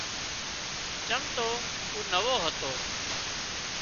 چم تو او نوو هتو